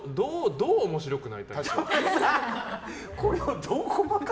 どう面白くなりたいんですか？